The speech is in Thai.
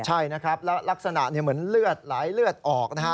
ใช่นะครับแล้วลักษณะเหมือนเลือดไหลเลือดออกนะฮะ